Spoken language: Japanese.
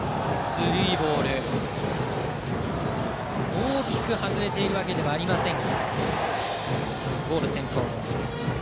大きく外れているわけではありませんがボール先行。